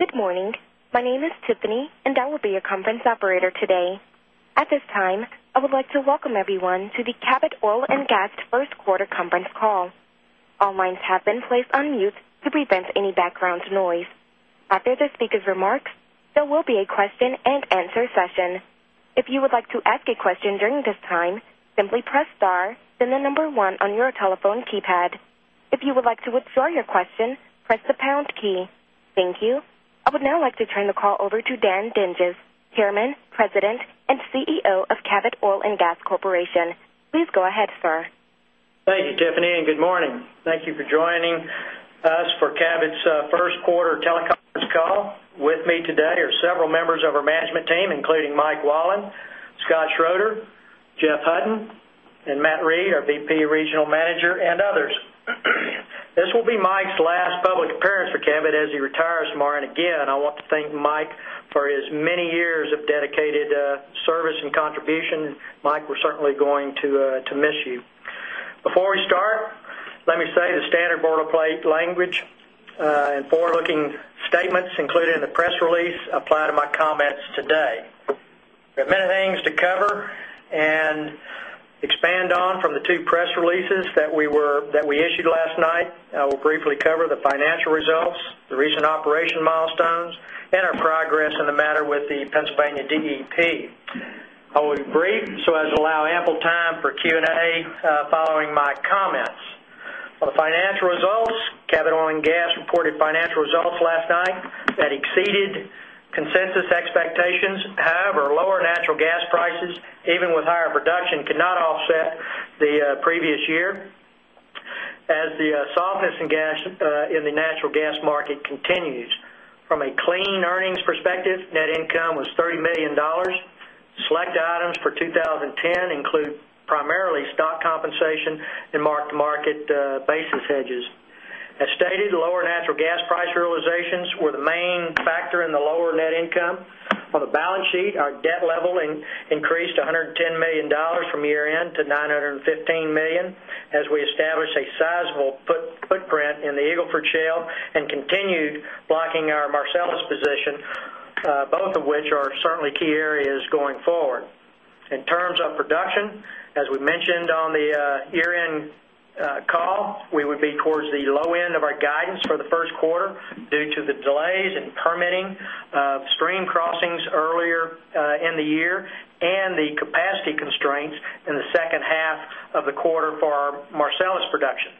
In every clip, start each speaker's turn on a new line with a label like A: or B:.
A: Good morning. My name is Tiffany, and I will be your conference operator today. At this time, I would like to welcome everyone to the Cabot Oil and Gas First Quarter Conference Call. All lines have been placed on mute to prevent any background noise. After the speakers' remarks, there will be a question and answer session. Thank you. I would now like to turn the call over to Dan Dinges, Chairman, President and CEO of Cabot Oil and Gas Corporation. Please go ahead, sir.
B: Thank you, Tiffany, and good morning. Thank you for joining us for Cabot's Q1 teleconference call. With me today are several members of our management team, including Mike Wallen, Scott Schroeder, Jeff Hutton and Matt Rhee, our VP Regional Manager and others. This will be Mike's last public appearance for Cabot as he retires more. And again, I want to thank Mike for his many years of dedicated service and contribution. Mike, we're certainly going to miss you. Before we start, let me say the standard boilerplate language and forward looking statements included in the press release apply to my comments today. We have many things to cover and expand on from the 2 press releases that we were that we issued last night. I will briefly cover the financial results, the recent operation milestones and our progress in the matter with the Pennsylvania DEP. I will be brief so as to allow ample time for Q and A following my comments. On the financial results, last night that exceeded consensus expectations. However, lower natural gas prices even with higher production cannot offset the previous year. As the softness in gas in the natural gas market continues, from a clean earnings perspective, net income was $30,000,000 Select items for 20.10 include primarily stock compensation and mark to market basis hedges. As stated, lower natural gas price realizations were the main factor in the lower net income. On the balance sheet, our debt level increased $110,000,000 from year end to $915,000,000 as we established a sizable footprint in the Eagle Ford Shale and continued blocking our Marcellus position, both of which are certainly key areas going forward. In terms of production, as we mentioned on the year end call, we would be towards the low end of our guidance for Q1 due to the delays in permitting of stream crossings earlier in the year and the capacity constraints in the second half of the quarter for Marcellus production.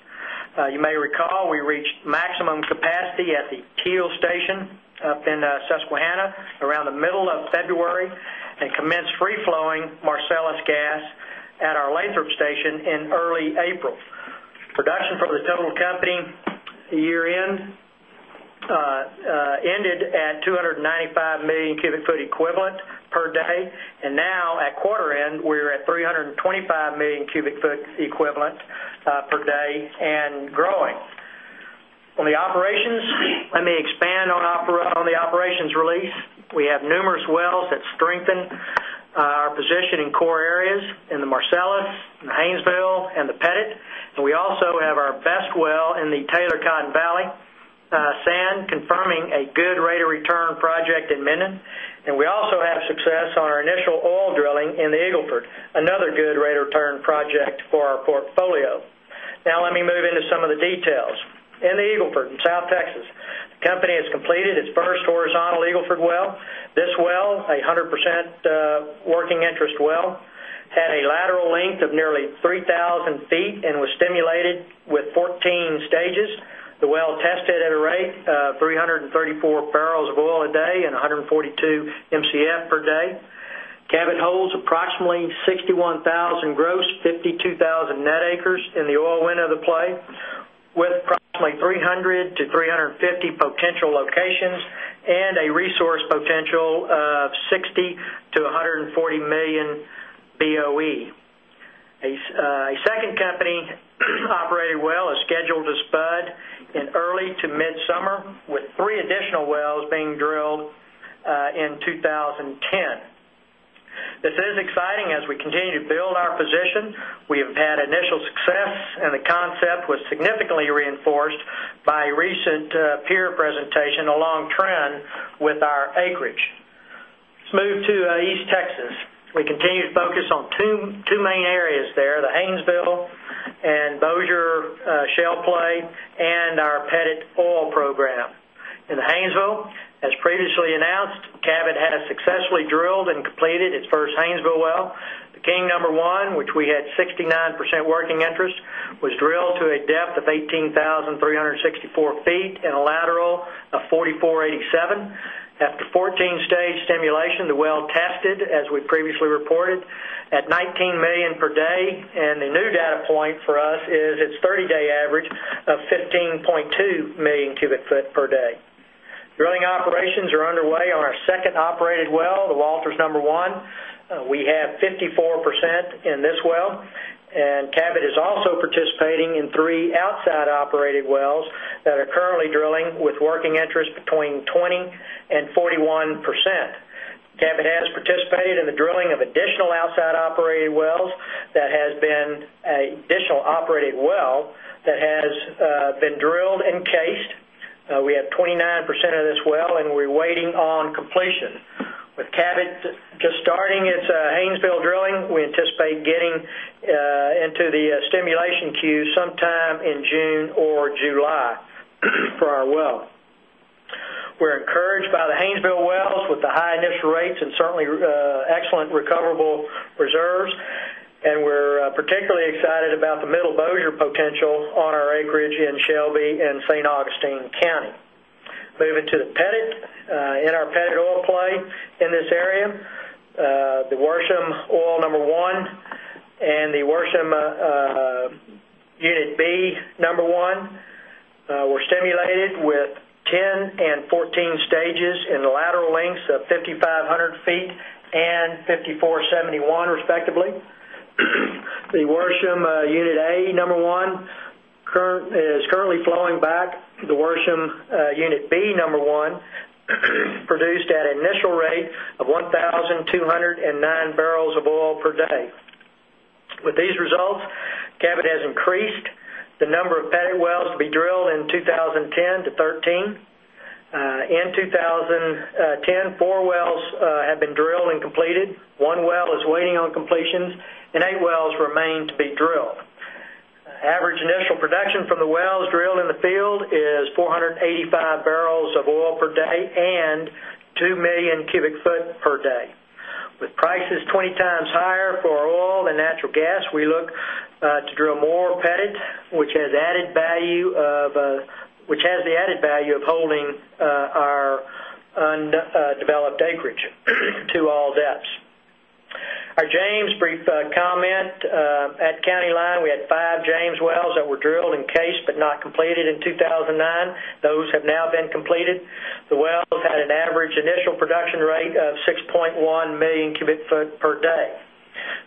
B: You may recall, we reached maximum capacity at the Teal station up in Susquehanna around the middle of February and commenced free flowing Marcellus gas at our Lathrop station in early April. Production for the total company year end ended at 295,000,000 cubic foot equivalent per day. And now at quarter end, we're at 325,000,000 cubic foot equivalent per day and growing. On the operations, let me expand on the operations release. We have numerous wells that strengthen our position in core areas in the Marcellus, in the Haynesville and the Pettit. And we also have our best well in the Taylor Cotton Valley sand confirming a good rate of return project in Minden and we also have success on our initial oil drilling in the Eagle Ford, another good rate of return project for our portfolio. Now let me move into some of the details. In the Eagle Ford in South Texas, the company has completed its 1st horizontal Eagle Ford well. This well, a 100 percent working interest well, had a lateral length of nearly 3,000 feet and was stimulated with 14 stages. The well tested at a rate of 3 34 barrels of oil a day and 142 Mcf per day. Cabot holds approximately 61,000 gross 52,000 net acres in the oil win of the play with 300 to 350 potential locations and a resource potential of 60,000,000 to 140,000,000 BOE. A second company operated well is scheduled to spud in early to midsummer with 3 additional wells being drilled in 2010. This is exciting as we continue to build our position. We have had initial success and the concept was significantly reinforced by recent peer presentation along trend with our acreage. Let's move to East Texas. We continue to focus on 2 main areas there, the Haynesville and Bossier shale play and our Petit oil program. In the Haynesville, as previously announced, Cabot has successfully drilled and completed its first Haynesville well. The King number 1, which we had 69% working interest, was drilled to a depth of 18,364 feet and a lateral of 4,487. After 14 stage simulation, the well tested as we previously reported at 19,000,000 per day and the new data point for us is its 30 day average of 15,200,000 cubic foot per day. Drilling operations are underway on our 2nd operated well, the Walters number 1. We have 54% in this well and Cabot is also participating in 3 outside operated wells that are currently drilling with working interest between 20% percent 41%. Cabot has participated in the drilling of additional outside operated wells that has been additional operated well that has been drilled encased. We have 29% of this well and we're waiting on completion. With Cabot just starting its Haynesville drilling, we anticipate getting into the stimulation queue some time in June or July for our well. We're encouraged by the Haynesville wells with the high initial rates and certainly excellent recoverable reserves. And we're particularly excited about the Middle Bossier potential on our acreage in Shelby and St. Augustine County. Moving to the Petit, in our Petit oil play in this area, the Worsham oil number 1 and the Worsham Unit B 1 were stimulated with 1014 stages in the lateral lengths of 5,500 feet and 5,471 respectively. The Worsham Unit A, number 1 is currently flowing back. The Worsham Unit B, number 1 produced at initial rate of 1209 barrels of oil per day. With these results, Cabot has increased the number of Pettit wells to be drilled in 2010 to 2013. In 2010, four wells have been drilled and completed. 1 well is waiting on completions and 8 wells remain to be drilled. Average initial production from the wells drilled in the field is 4.85 barrels of oil per day and 2,000,000 cubic foot per day. With prices 20 times higher for oil and natural gas, we look to drill more Pettit, which has added value of which has the added value of holding our undeveloped acreage to all depths. Our James brief comment, at County Line, we had 5 James wells that were drilled encased, but not completed in 2,009. Those have now been completed. The wells had an average initial production rate of 6,100,000 cubic foot per day.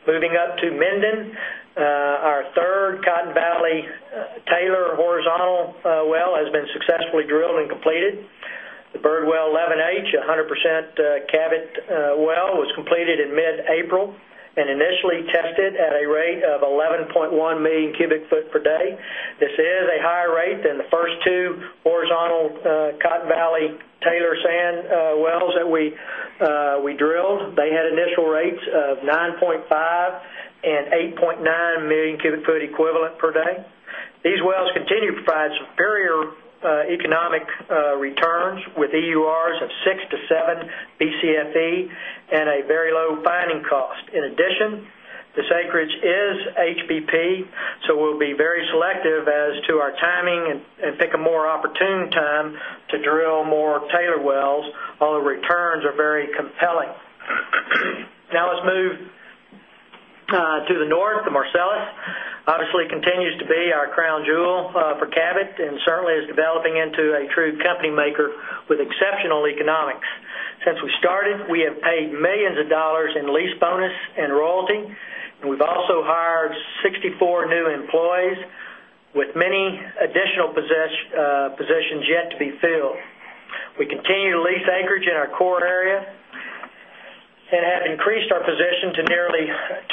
B: Moving up to Minden, our 3rd Cotton Valley Taylor horizontal well has been successfully drilled and completed. The Birdwell 11H, a 100 percent Cabot well was completed in mid April and initially tested at a rate of 11,100,000 Cubic Foot Per Day. This is a higher rate than the first two horizontal Cotton Valley Taylor Sand wells that we drilled. They had initial rates of 9,500,000, 8,900,000 cubic foot equivalent per day. These wells continue to provide superior economic returns with EURs of 6 to 7 Bcfe and a very low finding cost. In addition, this acreage is HBP, so we'll be very selective as to our timing and pick a more opportune time to drill more Taylor wells, although returns are very compelling. Now let's move to the north, the Marcellus, obviously continues to be our crown jewel for Cabot and certainly is developing into a true company maker with exceptional economics. Since we started, we have paid 1,000,000 of dollars in lease bonus and royalty. We've also hired 64 new employees with many additional positions yet to be filled. We continue to lease acreage in our core area and have increased our position to nearly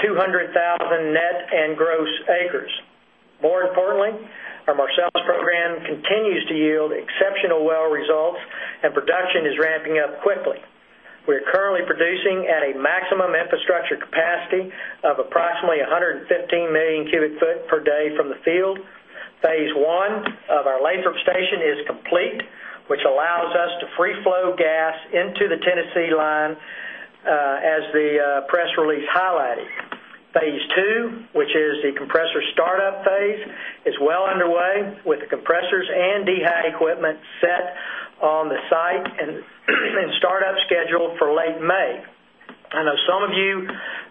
B: 200,000 net and gross acres. More importantly, our Marcellus program continues to yield exceptional well results and production is ramping up quickly. We are currently producing at a maximum infrastructure capacity of approximately 115,000,000 cubic foot per day from the field. Phase 1 of our Lathrop station is complete, which allows us to free flow gas into the Tennessee line as the press release highlighted. Phase 2, which is the compressor startup phase is well underway with compressors and dehigh equipment set on the site and startup scheduled for late May. I know some of you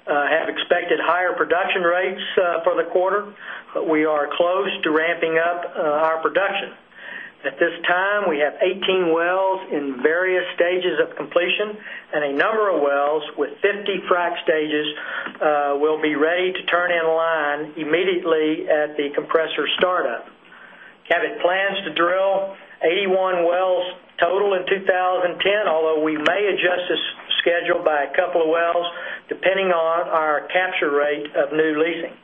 B: have expected higher production rates for the quarter, but we are close to ramping up our production. At this time, we have 18 wells in various stages of completion and a number of wells with 50 frac stages will be ready to turn in line immediately at the compressor startup. Cabot plans to drill 81 wells total in 2010, although we may adjust this schedule by a couple of wells depending on our capture rate of new leasing.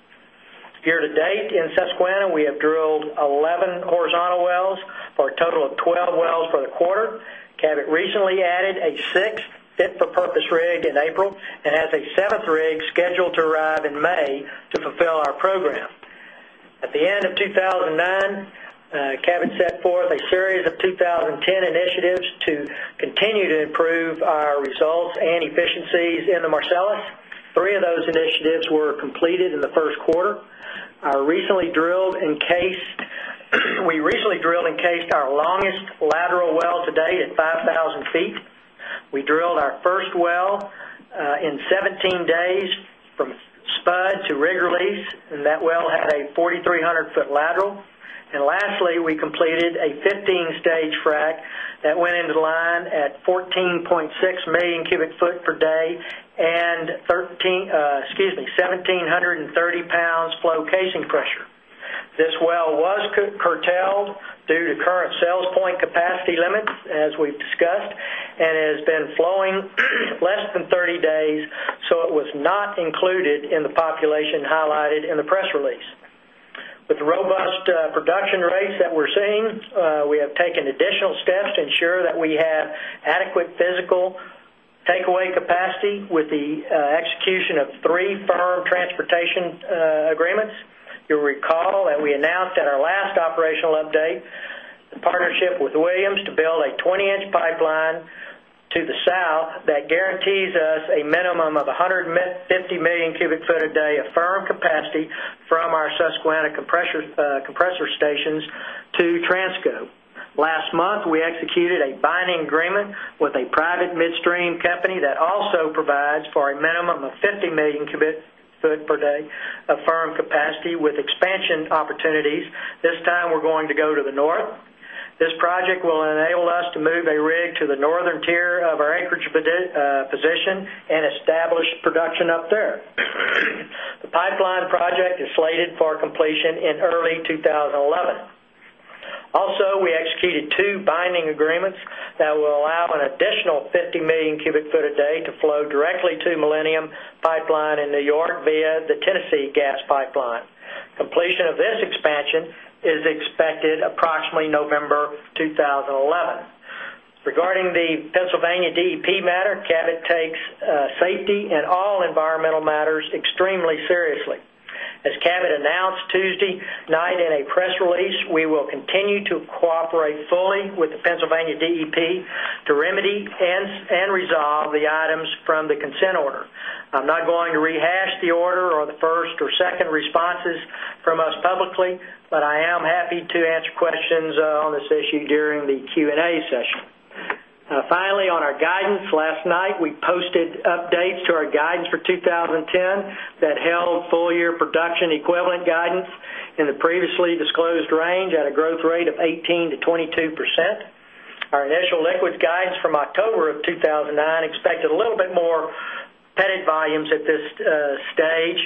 B: Year to date in Susquehanna, we have drilled 11 horizontal wells for a total of 12 wells for the quarter. Cabot recently added a 6th fit for purpose rig in April and has a 7th rig scheduled to arrive in May to fulfill our program. At the end of 2,009, Cabot set forth a series of 2010 initiatives to continue to improve our results and efficiencies in the Marcellus. 3 of those initiatives were completed in the Q1. Our recently drilled and case we recently drilled encased our longest lateral well to date at 5,000 feet. We drilled our first well in 17 days from spud to rig release and that well had a 4,300 foot lateral. And lastly, we completed a 15 stage frac that went into line at 14,600,000 cubic foot per day and 1730 pounds flow casing pressure. This well was curtailed due to current sales point capacity limits as we've discussed and has been flowing less than 30 days, so it was not included in the population highlighted in the press release. With the robust production rates that we're seeing, we have taken additional steps to ensure that we have adequate physical takeaway capacity with the execution of 3 firm transportation agreements. You'll recall that we announced at our last operational update, the partnership with Williams to build a 20 inches pipeline to the South that guarantees us a minimum of 150,000,000 cubic foot a day of firm capacity from our Susquehanna compressor stations to Transco. Last month, we executed a binding agreement with a private midstream company that also provides for a minimum of 50,000,000 foot per day of firm capacity with expansion opportunities. This time we're going to go to the north. This project will enable us to move a rig to the northern tier of our acreage position and establish production up there. The pipeline project is slated for 2011. Also we executed 2 binding agreements that will allow an additional 50,000,000 cubic foot a day to flow directly to Millennium Pipeline in New York via the Tennessee Gas Pipeline. Completion of this expansion is expected approximately November 2011. Regarding the Pennsylvania DEP matter, Cabot takes safety and all environmental matters extremely seriously. As Cabot announced Tuesday night in a press release, we will continue to cooperate fully with the Pennsylvania DEP to remedy and resolve the items from the consent order. I'm not going to rehash the order or the first or second responses from us publicly, but I am happy to answer questions on this issue during the Q and A session. Finally, on our guidance last night, we posted updates to our guidance for 20.10 that held full year production equivalent guidance in the previously disclosed range at a growth rate of 18% to 22%. Our initial liquids guidance from October of 2,009 expected a little bit more petted volumes at this stage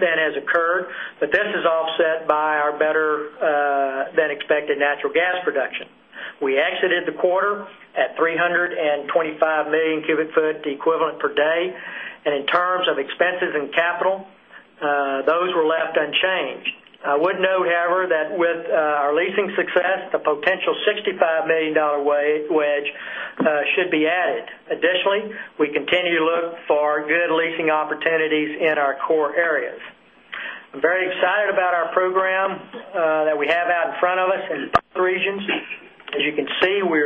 B: than has occurred, but this is offset by our better than expected natural gas production. We exited the quarter at 325,000,000 cubic foot equivalent per day. And in terms of expenses and capital, those were left unchanged. I would note however that with our leasing success, the potential $65,000,000 wedge should be added. Additionally, we continue to look for good leasing opportunities in our core areas. I'm very excited about our program that we have out in front of us in both regions. As you can see, we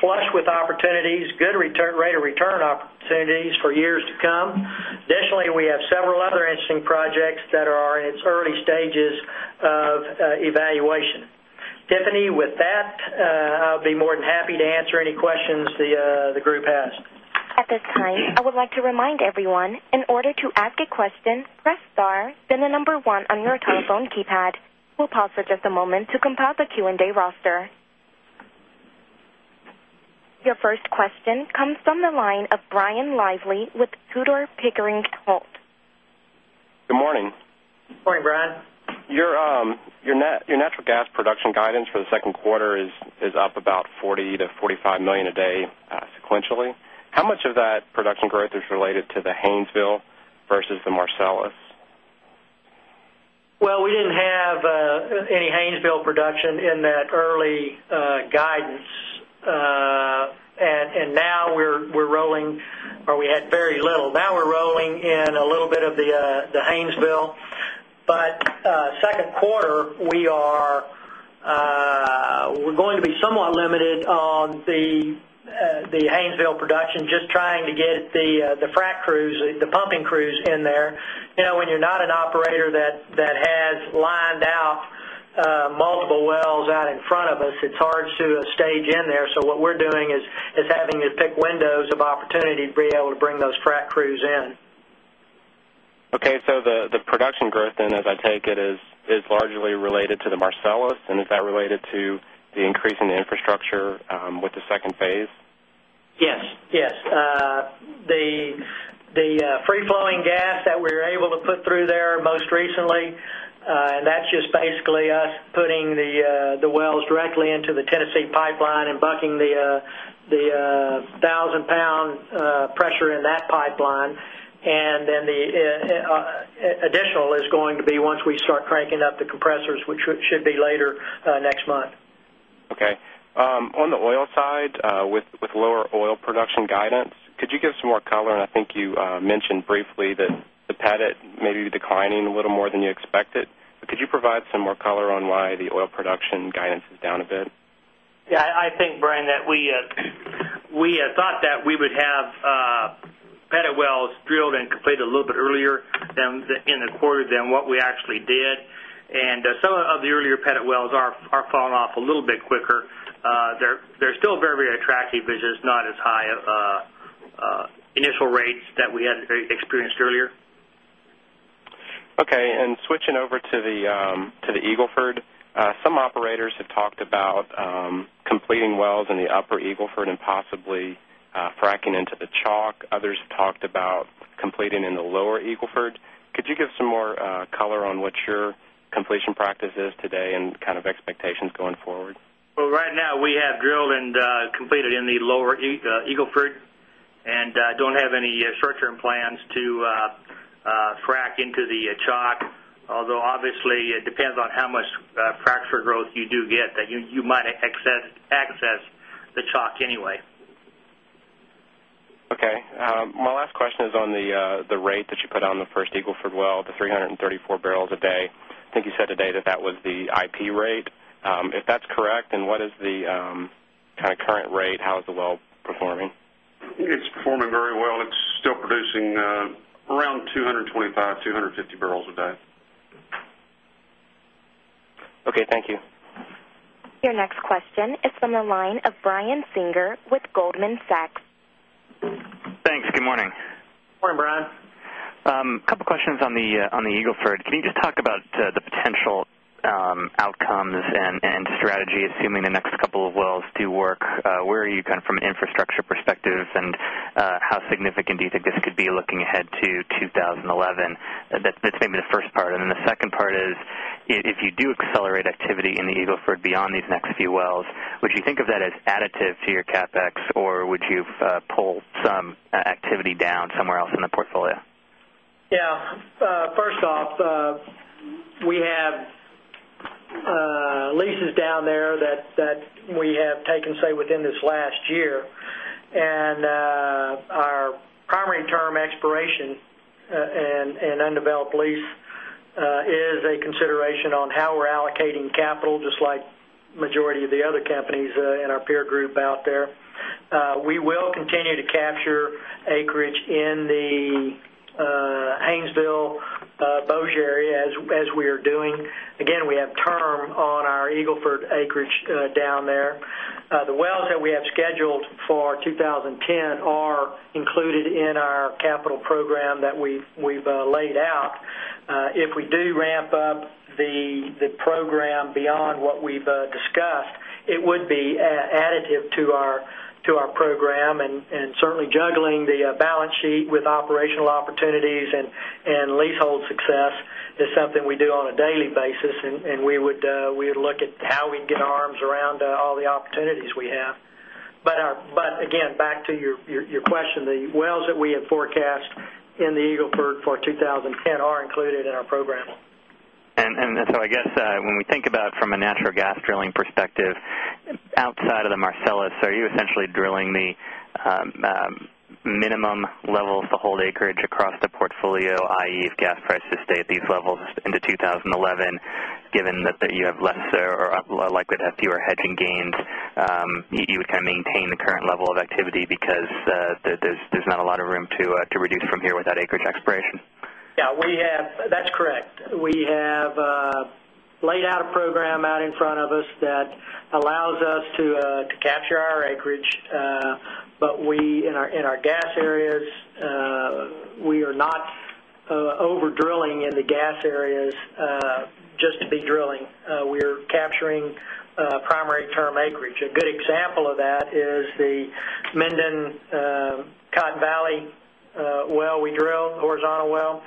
B: are flush with opportunities, good rate of return opportunities for years to come. Additionally, we have several other interesting projects that are in its early stages of evaluation. Tiffany, with that, I'll be more than happy to answer any questions the group has.
A: Your first question comes from the line of Brian Lively with Tudor, Pickering, Holt.
C: Good morning.
B: Good morning, Brad.
C: Your natural gas production guidance for the 2nd quarter is up about $40,000,000 to $45,000,000 a day sequentially. How much of that production growth is related to the Haynesville versus the Marcellus?
B: Well, we didn't have any Haynesville production in that early guidance. And now we're rolling or we had very little. Now we're rolling in a little bit of the Haynesville. But second quarter, we're going to be somewhat limited on the Haynesville production just trying to get the frac crews, the pumping crews in there. When you're not an operator that has lined out multiple wells out in front of us, it's hard to stage in there. So what we're doing is having to pick windows of opportunity to be able to bring those frac crews in.
C: Okay. So the production growth then as I take it is largely related to the Marcellus? And is that related to the increase in the infrastructure with the second phase?
B: Yes. Yes. The free flowing gas that we're able to put through there most recently and that's just basically us putting the wells directly into the additional is going to be once we start cranking up the compressors which should additional is going to be once we start cranking up the compressors which should be later next month.
C: Okay. On the oil side lower oil production guidance, could you give some more color? And I think you mentioned briefly that the pellet maybe declining a little more than you expected. But could you provide some more color on why the oil production guidance is down a bit?
D: Yes. I think Brian that we thought that we would have wells drilled and completed a little bit earlier in the quarter than what we actually did. And some of the earlier pet wells are falling off a little bit quicker. They're still very, very attractive, but just not as high of initial rates that we had experienced earlier.
C: Okay. And switching over to the Eagle Ford. Some operators have talked about completing wells in the Upper Eagle Ford and possibly fracking into the Chalk. Others talked about completing in the Lower Eagle Ford. Could you give some more color on what your completion practice is today and kind of expectations going forward?
D: Well, right now we have drilled and completed in the Lower Eagle Ford and don't have any short term plans to frac into the Chalk. Although obviously it depends on how much fracture growth you do get that you might access the chalk anyway.
C: Okay. My question is on the rate that you put on the 1st Eagle Ford well, the 3 34 barrels a day. I think you said today that that was the IP rate. If that's correct. And what is the kind of current rate? How is the well performing?
E: It's performing very well. It's still producing around 225, 250 barrels a day.
F: Okay. Thank you.
A: Your next question is from the line of Brian Singer with Goldman Sachs.
G: Thanks. Good morning.
D: Good morning, Brian.
G: Couple of questions on the Eagle Ford. Can you just talk about the potential outcomes and strategy assuming the next couple of wells do work? Where are you kind of from an infrastructure perspective? And how significant do you think this could be looking ahead to 2011? That's maybe the first part. And then the second part is, if you do accelerate activity in the Eagle Ford beyond these next few wells, would you think of that as additive to your CapEx? Or would you pull some activity down somewhere else in the portfolio?
B: Yes. First off, we have leases down there that we have taken say within this last year. And our primary term expiration and undeveloped lease is a consideration on how we're allocating capital just like majority of the other companies in our peer group out there. We will continue to capture acreage in the Haynesville, Bossier area as we are doing. Again, we have term on our Eagle Ford acreage down there. The wells that we have scheduled for 2010 are included in our capital program that we've laid out. If we do ramp up the program beyond what we've discussed, it would be additive to our program. And certainly juggling the balance sheet with operational opportunities and leasehold success is something we do on a daily basis and we would look at how we get our arms around all the opportunities we have. But again back to your question, the wells that we had forecast in the Eagle Ford for 2010 are included in our program.
G: And so I guess when we think about from a natural gas drilling perspective outside of the Marcellus, are you essentially drilling the minimum levels to hold acreage across the portfolio, I. E. If gas prices stay at these levels into 2011, given that you have less or likely to have fewer hedging gains, you would kind of maintain the current level of activity because there's not a lot of room to reduce from here without acreage
B: expiration? Yes. We have that's correct. We have laid out a program out in front of us that allows us to capture our acreage. But we in our gas areas, we are not over drilling in the gas areas just to be drilling. We are capturing primary term acreage. A good example of that is the Minden Cotton Valley well we drilled horizontal well.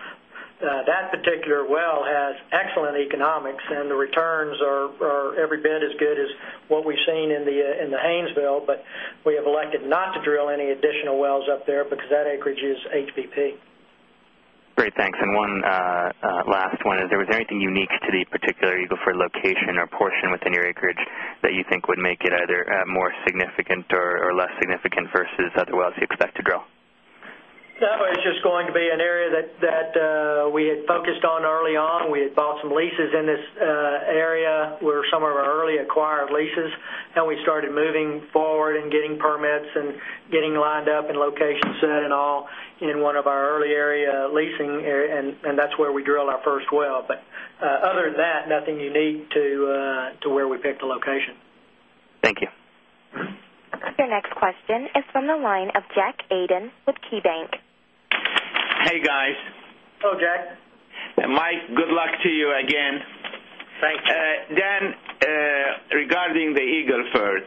B: That particular well has excellent economics and the returns are every bit as good as what we've seen in the Haynesville, but we have elected not to drill any additional wells up there because that acreage is HBP.
G: Great. Thanks. And one last one. Is there anything unique to the particular Eagle Ford location or portion within your acreage that you think would make it either more significant or less significant versus other wells you expect to grow?
B: No, it's just going to be an area that we had focused on early on. We had bought some leases in this area where some of our early acquired leases and we started moving forward and getting permits and getting lined up and location set and in one of our early area leasing and that's where we drilled our first well. But other than that nothing unique to where we picked a location.
G: Thank you.
A: Your next question is from the line of Jack Aden with KeyBanc.
B: Hey guys. Hello Jack.
H: Mike good luck to you again. Thanks. Dan, regarding the Eagle Ford,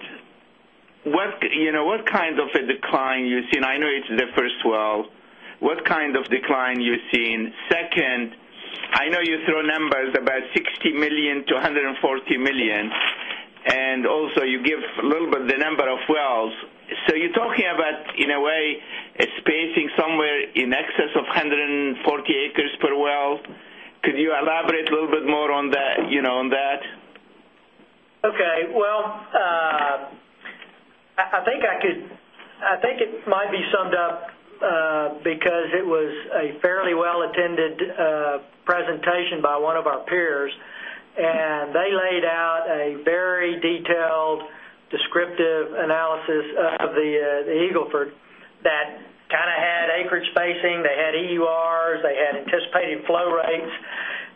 H: what kind of a decline you've seen? I know it's the first well. What kind of decline you've seen? 2nd, I know you throw numbers about $60,000,000 to $140,000,000 And also you give a little bit the number of wells. So you're talking about in a way spacing somewhere in excess of 140 acres per well. Could you elaborate a little bit more on that?
B: Okay. Well, I think I could I think it might be summed up because it was a fairly well attended presentation by one of our peers and they laid out a very detailed descriptive analysis of the Eagle Ford that had acreage spacing. They had EURs. They had anticipated flow rates.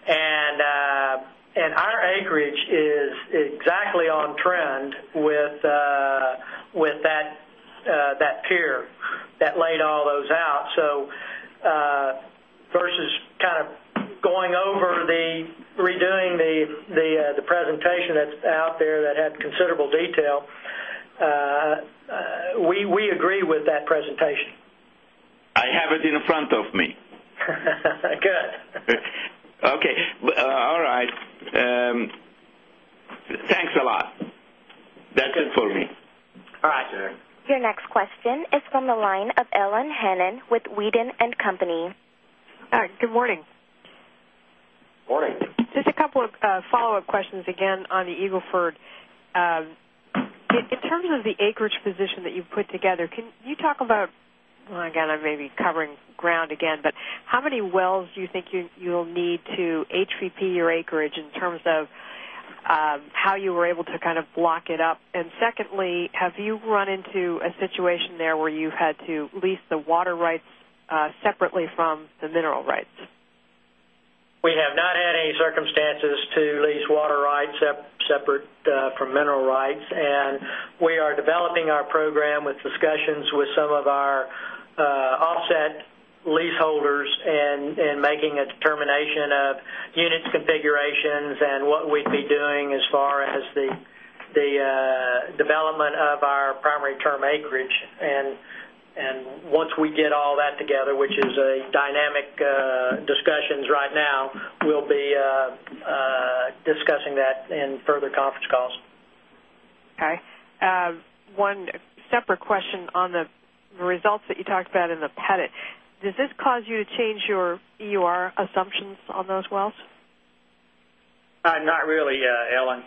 B: And our acreage is exactly on trend with that peer that laid all those out. So versus kind of going over the redoing the presentation that's out there that had considerable detail, we agree with that presentation.
H: I have it in front of
B: me. Good.
H: Okay. All right. Thanks a lot. That's it for me. All right.
A: Your next question is from the line of Ellen Hannan with Weden and Company. Good morning. Morning.
I: Just a couple of follow-up questions again on the Eagle Ford. In terms of the acreage position that you've put together, can you talk about again, I'm maybe covering ground again, but how many wells do you think you'll need to HVP your acreage in terms of how you were able to kind of block it up? And secondly, have you run into a situation there where you've had to lease the water rights separately from the mineral rights?
B: We have not had any circumstances to lease water rights separate from mineral rights. And we are developing our program with discussions with some of our offset leaseholders and making a determination of units configurations and what we'd be doing as far as the development of our primary term acreage. And once we get all that together, which is a dynamic discussions right now, we'll be discussing that in further conference calls.
I: Okay. One separate question on the results that you talked about in the Pettit. Does this cause you to change your EUR assumptions on those wells?
D: Not really, Alan.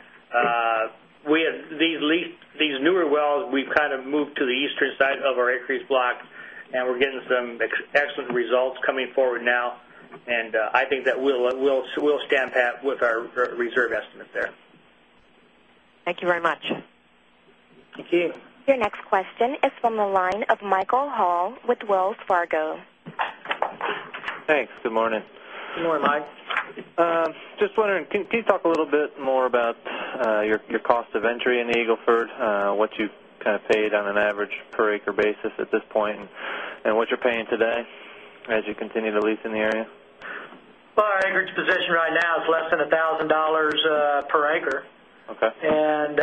D: We had these newer wells we've kind of moved to the eastern side of our acreage block and we're getting some excellent results coming forward now. And I think that we'll stand pat with our reserve estimate there.
I: Thank you very much.
A: Thank you. Your next question is from the line of Michael Hall with Wells Fargo.
F: Thanks. Good morning. Good morning,
J: Mike. Just wondering, can you talk
F: a little bit more about your cost of entry in Eagle Ford? What you paid on an average per acre basis at this point and what you're paying today as you continue to lease in the area?
B: Well, our acreage position right now is less than $1,000 per acre.
J: Okay.
B: And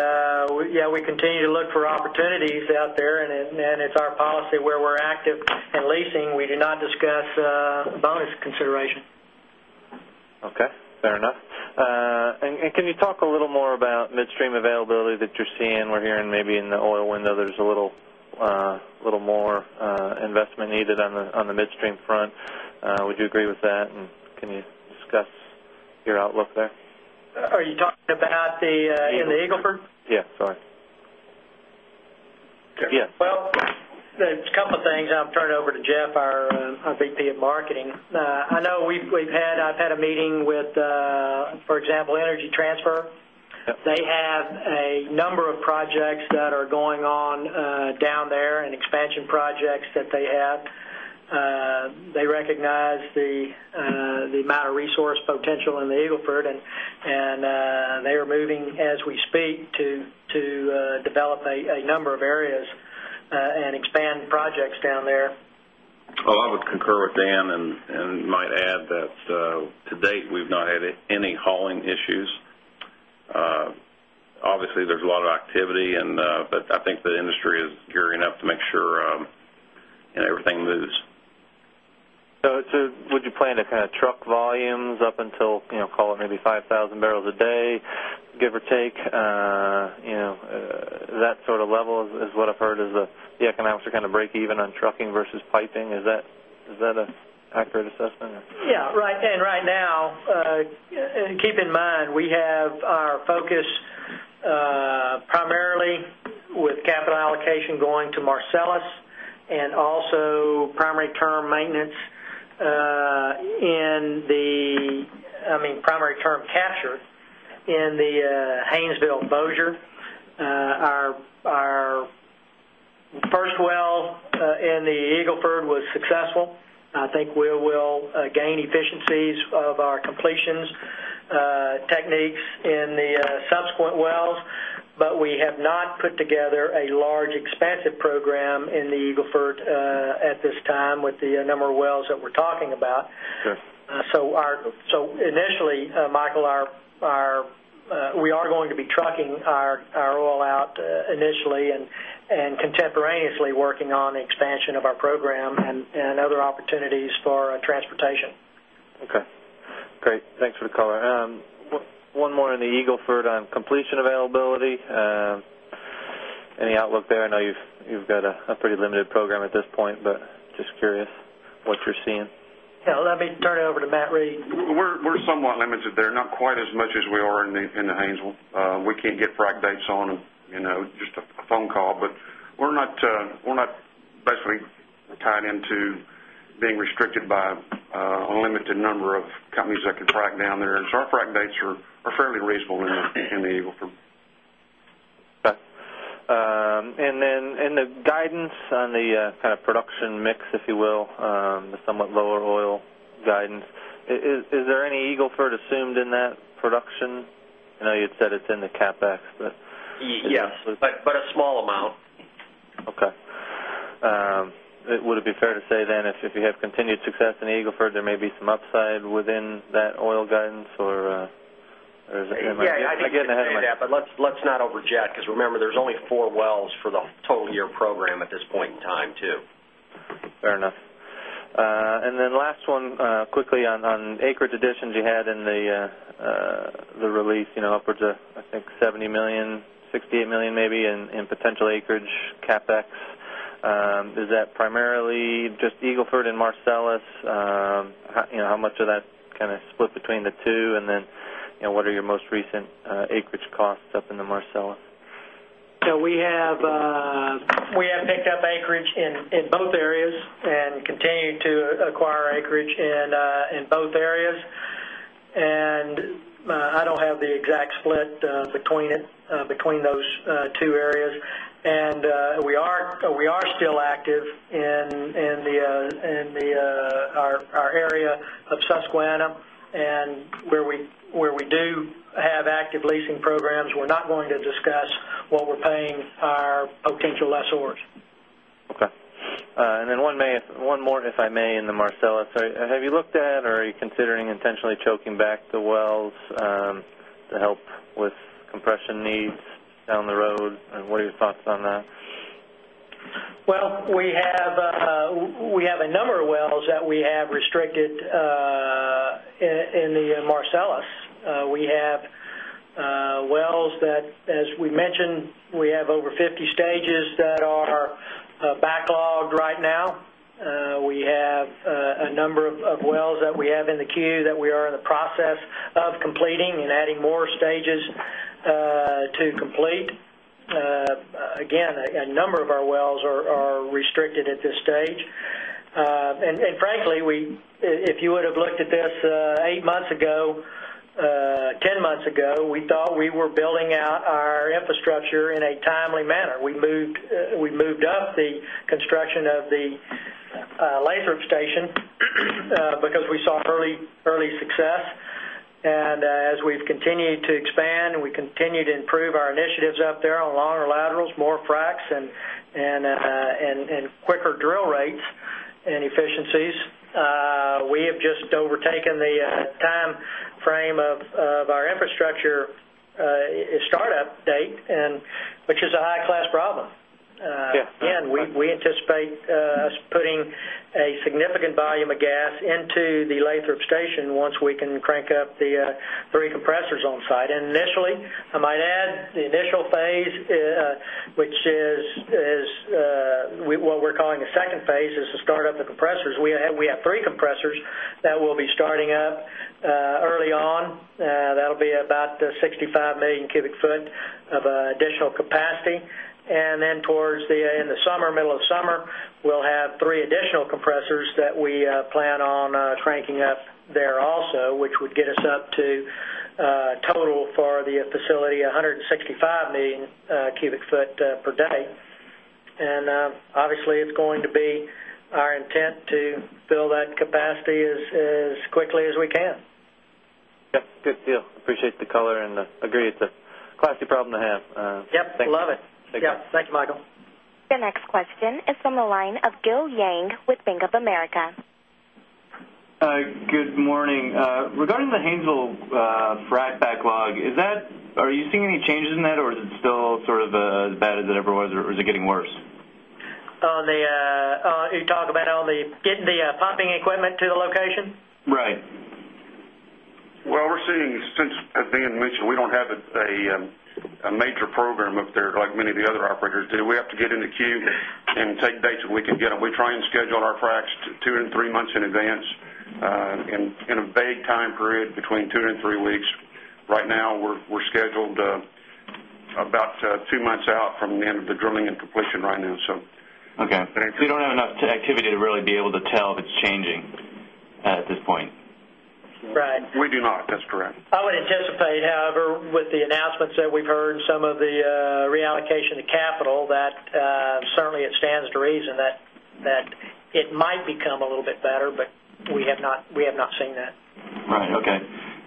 B: yes, we continue to look for opportunities out there and it's our policy where we're active in leasing. We do not discuss bonus consideration.
J: Okay. Fair enough. And can you talk
F: a little more about midstream availability that you're seeing? We're hearing maybe in the oil window there's a little more investment needed on the midstream front. Would you agree with that? And can you
J: there's a couple of things. I'll turn it over to Jeff, our VP of Marketing. Yes. Yes.
K: Well, there's
B: a couple of things. I'll turn it over to Jeff, our VP of Marketing. I know we've had I've had a meeting with, for example, Energy Transfer. They have a number of projects that are going on down there and expansion projects that they have. They recognize the amount of resource potential in the Eagle Ford and they are moving as we speak to develop a number of areas and expand projects down there.
J: Well, I would concur with Dan and might add that to date we've not had any hauling issues. Obviously, there's a lot of activity but I think the industry is gearing up to make sure everything moves.
F: So would you plan to kind of volumes up until call it maybe 5,000 barrels a day give or take that sort of level is what I've heard the economics are kind of breakeven on trucking versus piping. Is that an accurate assessment?
B: Yes. Right and right now, keep in mind we have our focus primarily with capital allocation going to Marcellus and also primary term maintenance in the I mean primary HaynesvilleBossier. Our first well in the Eagle Ford was successful. I think we will gain efficiencies of our completions technique in the subsequent wells, but we have not put together a large expansive program in the Eagle Ford at this time with the number of wells that we're talking about. So initially, Michael, we are going to be trucking our oil out initially and contemporaneously working on the expansion of our program and other opportunities for transportation.
J: Okay.
F: Great. Thanks for the color. One more on the Eagle Ford on completion availability. Any outlook there? I know you've got a pretty limited program at this point, but just curious what you're seeing?
B: Yes. Let me turn it over to Matt Reed.
E: We're somewhat limited there, not quite as much as we are in the Haynesville. We can't get frac dates on just a phone call, but we're not basically tied into being restricted by unlimited number of companies that can frac down there. So our frac dates are fairly reasonable in the Eagle Ford.
F: Okay. And then in the guidance on the kind of production mix, if you will, the somewhat lower oil guidance. Is there any Eagle Ford assumed in that production? I know you'd said it's in the CapEx, but Yes. But a small amount. Okay. Would it be fair to say then if you have continued success in Eagle Ford there may be some upside within that oil guidance or Yes.
B: I get ahead. But let's not overjet because remember there's only 4 wells for the total
J: year program at this point in time too.
F: Fair enough. And then last one quickly on acreage additions you had in the release upwards of I think $70,000,000 $68,000,000 maybe in potential acreage CapEx. Is that primarily just Eagle Ford and Marcellus? How much of that kind of split between the 2? And then what are your most recent acreage costs up in the Mar
B: So we have picked up acreage in both areas and continue to acquire acreage in both areas. And I don't have the exact split between those two areas. And we are still active in the our area of Susquehanna. And where we do have active leasing programs, we're not going to discuss what we're paying our potential lessors.
F: Okay. And then one more if I may in the Marcellus. Have you looked at or are you considering intentionally choking back the wells to help with compression needs down the road? And what are your thoughts on that?
B: Well, we have a number of wells that we have restricted in the Marcellus. We have wells that as we mentioned we have over 50 stages that are backlogged right now. We have a number of wells that we have in the queue that we are in the process of completing and adding more stages to complete. Again, a number of our wells are restricted at this stage. And frankly, we if you would have looked at this 8 months ago, 10 months ago, we thought we were building out our infrastructure in a timely manner. We moved up the construction of the laser station, because we saw early success. And as we've continued to expand, we continue to improve our initiatives up there on longer laterals, more fracs and quicker drill rates and efficiencies. We have just overtaken the time frame of our infrastructure startup date and which is a high class problem. Yes. And we anticipate putting a significant volume of gas into the Lathrop station once we can crank up the 3 compressors on-site. And initially, I might add the initial phase, which is what we're calling the 2nd phase is to start up the compressors. We have 3 compressors that will be starting up early on. That will be about 65,000,000 cubic foot of additional capacity. And then towards the in the summer middle of summer, we'll have 3 additional compressors that we plan on shrinking up there also, which would get us up to total for the facility 165,000,000 cubic foot per day. And obviously, it's going to be our intent to fill that capacity as quickly as we can.
F: Yes. Good deal. Appreciate the color and agree it's a classy problem to have.
B: Yes. Love it. Yes. Thanks, Michael.
A: The next question is from the line of Gil Yang with Bank of America.
L: Good morning. Regarding the Haynesville frac backlog, is that are you seeing any changes in that? Or is it still sort of as bad as it ever was? Or is it getting worse?
B: On the you talk about all the getting the pumping equipment to the location?
D: Right. Well, we're
E: seeing since as Dan mentioned, we don't have a major program up there like many of the other operators do. We have to get in the queue and take dates that we can get. We try and schedule our fracs 2 3 months in advance in a big time period between 2 3 weeks. Right now, we're scheduled about 2 months out from the end of the drilling and completion right now. So Okay.
L: We don't have enough activity to really be able to tell if it's changing at this point.
B: Right.
E: We do not. That's correct.
B: I would anticipate however with the announcements that we've heard some of the reallocation of capital that certainly it stands to reason that it might become a little bit better, but we have not seen that.
F: Right. Okay.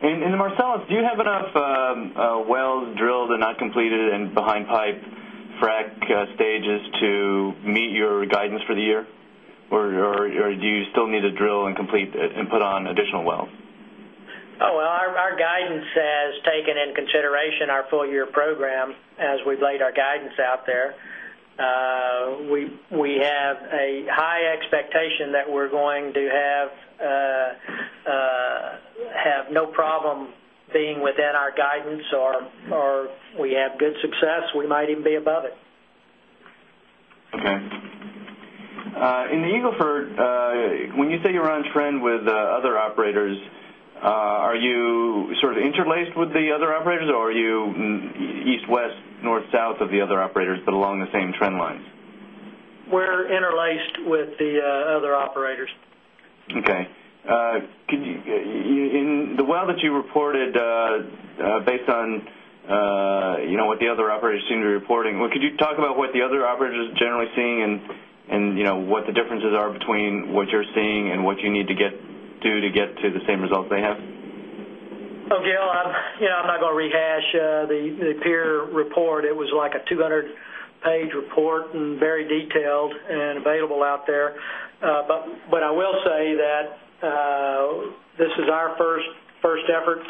L: And in the Marcellus, do you have enough wells drilled and not completed and behind pipe frac stages to meet your guidance for the year? Or do you still need to drill and complete and put on additional wells?
B: Well, our guidance has taken in consideration our full year program as we've laid our guidance out there. We have a high expectation that we're going to have no problem being within our guidance or we have good success, we might even be above it. Okay.
L: In the Eagle Ford, when you say you're on trend with other operators, are you sort of interlaced with the other operators? Or are you east west north south of the other operators but along the same trend lines?
B: We're interlaced with the other operators.
L: Okay. Could you in
K: the well that you
L: reported based on what the other operators seem to be reporting, could you talk about what the other operators are generally seeing and what the differences are between what you're seeing and what you need to get do to get to
F: the same results they have?
B: Okay. I'm not going to rehash the peer report. It was like a 200 page report and very detailed and available out there. But I will say that this is our first effort.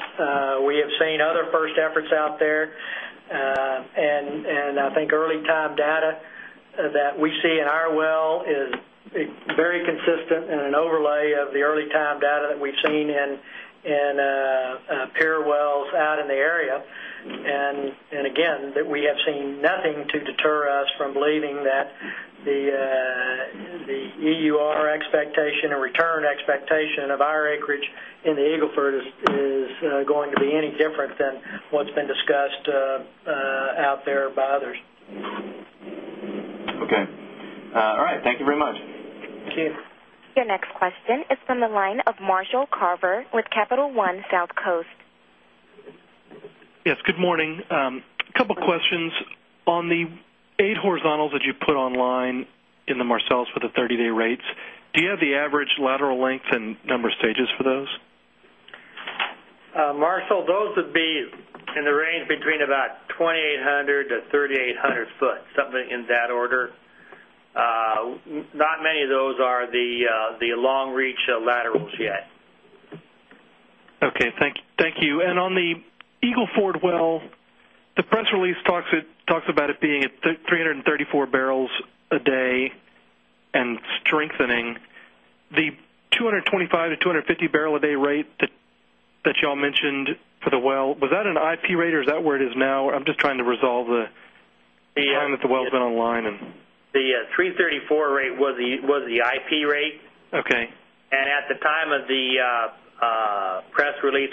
B: We have seen other first efforts out there. And I think early time data that we see in our well is very consistent in an overlay of the early time data that we've seen in peer wells out in the area. And again that we have seen nothing to deter us from believing that the EUR expectation and return expectation of our acreage in the Eagle Ford is going to be any different than what's been discussed out there by others.
L: Okay. All right. Thank you very much.
A: Your next question is from the line of Marshall Carver with Capital One South Coast.
K: Yes, good morning. Couple of questions. On the 8 horizontals that you put online in the Marcellus for the 30 day rates, do you have the average lateral length and number of stages for those?
D: Marshall, those would be in the range between about 2,800 to 3,800 foot something in that order. Not many of those are the long reach laterals yet.
K: Okay. Thank you. And on the Eagle Ford well, the press release talks about it being at 3 34 barrels a day and strengthening. The 2 25 to 2 50 barrel a day rate that you all mentioned for the well, was that an IP rate or is that where it is now? I'm just trying to resolve the time that the wells have been online and
D: The threethirty four rate was the IP rate. Okay. And at the time of the press release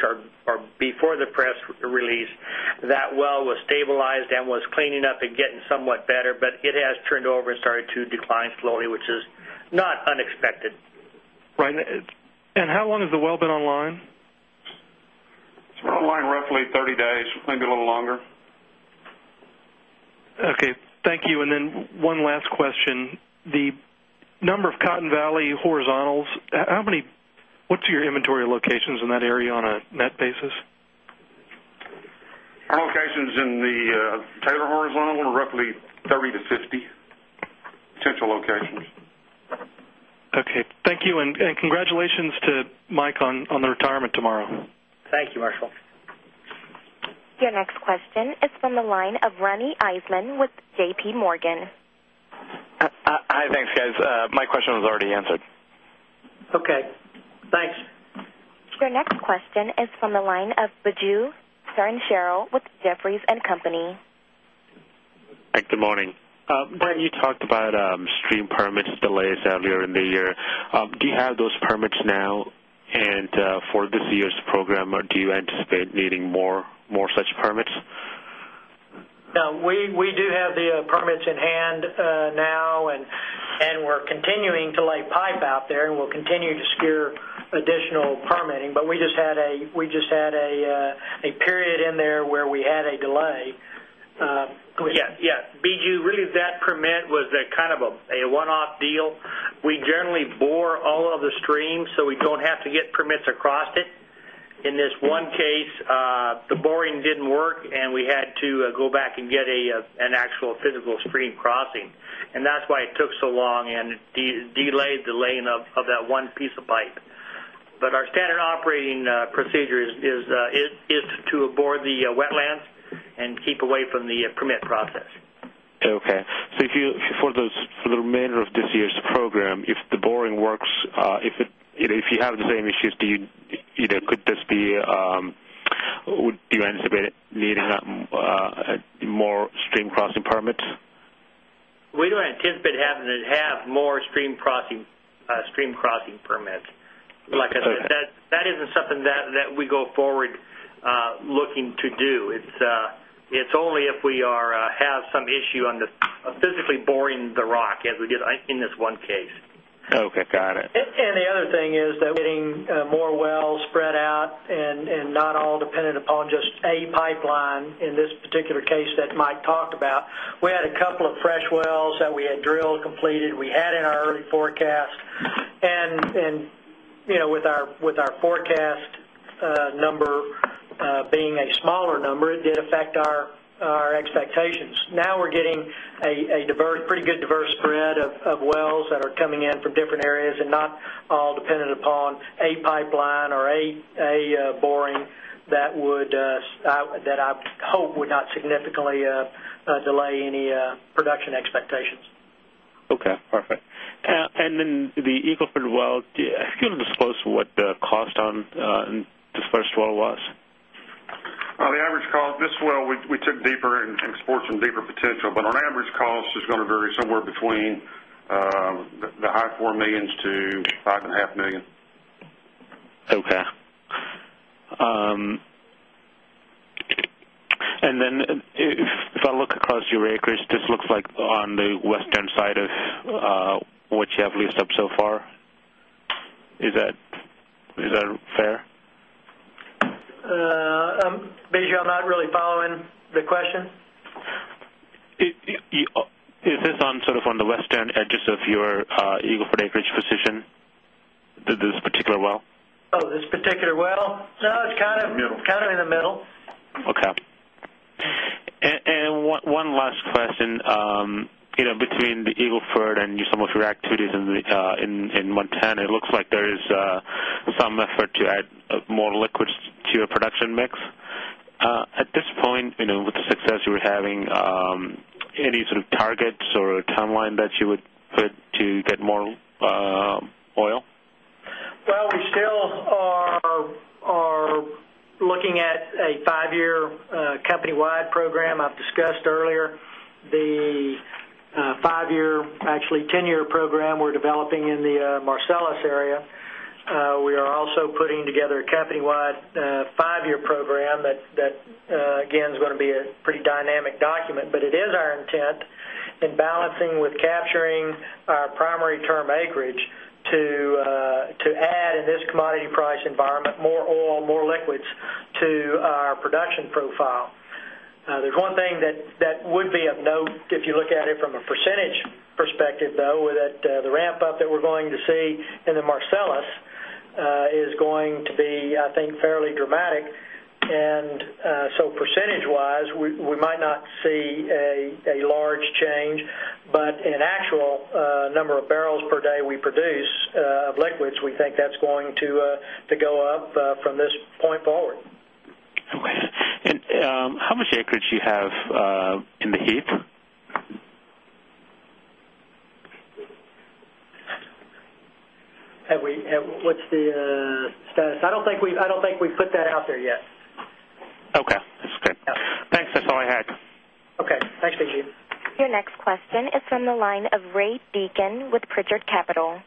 D: or before the press release that well was stabilized and was cleaning up and getting somewhat better, but it has turned over and started to decline slowly, which is not unexpected.
K: Right. And how long has the well been online?
E: It's been online roughly 30 days, maybe a little longer.
K: Okay. Thank you. And then one last question. The number of Cotton Valley horizontals, how many what's your inventory locations in that area on a net basis?
E: Our locations in the Taylor horizontal are roughly 30 to 50 potential locations.
K: Okay. Thank you. And congratulations to Mike on the retirement tomorrow.
D: Thank you, Marshall.
A: Your next question is from the line of Ronny Iselin with JPMorgan.
F: Hi, thanks guys. My question was already answered.
B: Okay. Thanks.
A: Your next question is from the line of Biju Sarincheril with Jefferies and Company.
M: Hi, good morning. Ben, you talked about stream permits delays earlier in the year. Do you have those permits now and for this year's program or do you anticipate needing more such permits?
B: No. We do have the permits at hand now and we're continuing to lay pipe out there and we'll continue to secure additional permitting, but we just had a period in there where we had a delay.
D: Yes, yes. Biju, really that permit was kind of a one off deal. We generally bore all of the streams, so we don't have to get permits across it. In this one case, the boring didn't work and we had to go back and get an actual physical stream crossing. And that's why it took so long and delayed the laying of that one piece of pipe. But our standard operating procedure is to abort the wetlands and keep away from the permit process.
M: Okay. So if you for those for the remainder of this year's program, if the boring works, if you have the same issues, do you could this be would you anticipate it needing more stream crossing permits?
D: We don't anticipate having to have more stream crossing permits. Like I said, that isn't something that we go forward looking to do. It's only if we are have some issue on the physically boring the rock as we did in this one case.
H: Okay, got it.
B: And the other thing is that we're getting more wells spread out and not all dependent upon just a pipeline in this particular case that Mike talked about. We had a couple of fresh wells that we had drilled completed, we had in our early forecast. And with our forecast number being a smaller number, it did affect our expectations. Now we're getting a diverse pretty good diverse spread of wells that are coming in from different areas and not all dependent upon a pipeline or a boring that would that I hope would not significantly delay any production expectations.
M: Okay, perfect. And then the Eagle Ford well, if you want to disclose what the cost on the first well
E: was? The average cost this well we took deeper and explored some deeper potential, but on average cost is going to vary somewhere between the high 4,000,000 to $5,500,000
D: Okay.
M: And then if I look across your acreage, this looks like on the western side of what you have leased up so far. Is that fair?
B: Bijan, I'm not really following the question.
M: Is this on sort of on the western edges of your Eagle Ford acreage position, this particular well?
B: This particular well? No, it's kind of in the middle. Okay.
M: And one last question between the Eagle Ford and some of your activities in Montana, it looks like there is some effort to add more liquids to your production mix. At this point, with the success you were having, any sort of targets or timeline that you would put to get more oil?
B: Well, we still are looking at a 5 year company wide program. I've discussed earlier the 5 year actually 10 year program we're developing in the Marcellus area. We are also putting together a company wide 5 year program that again is going to be a pretty dynamic document. But it is our intent in balancing with capturing our primary term acreage to add in this commodity price environment more oil, more liquids to our production profile. There's one thing that would be of note if you look at it from a percentage perspective though that the ramp up that we're going to see in the Marcellus is going to be I think fairly dramatic. And so percentage wise, we might not see a large change. But in actual number of barrels per day we produce of liquids, we think that's going to go up from this point forward.
M: Okay. And how much acreage do you have in the Heath?
B: Have we what's the status? I don't think we put that out there yet.
D: Okay. That's good. Thanks. That's all I had.
J: Okay. Thanks, B. J.
A: Your next question is from the line of Ray Deacon with Pritchard Capital.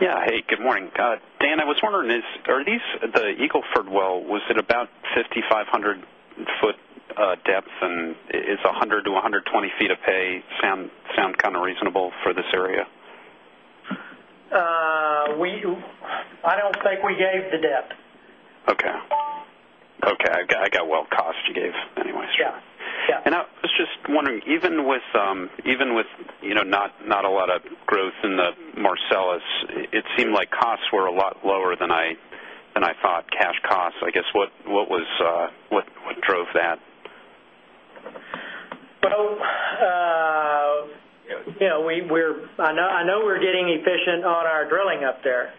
A: Yes.
J: Hey, good morning. Dan, I was wondering, are these the Eagle Ford well, was it about 5,500 foot depth and is 100 to 120 feet of pay sound kind of reasonable for this area?
B: I don't think we gave the depth.
M: Okay.
J: Okay. I got well cost you gave anyway. Yes. And I was just wondering even with not a lot of growth in the Marcellus, it seemed like costs were a lot lower than I thought, cash I guess what was what drove that?
B: We're I know we're getting efficient on our drilling up there.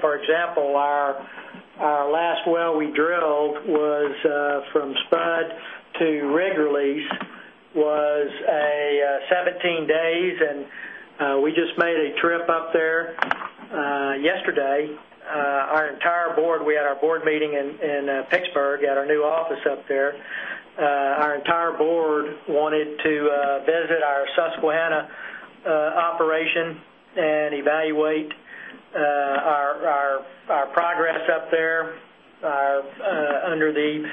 B: For example, our last well we drilled was from spud to rig release was 17 days and we just made a trip up there yesterday. Our entire Board we had our Board meeting in Pittsburgh at our new office up there. Our entire Board wanted to visit our Susquehanna operation and evaluate our progress up there under the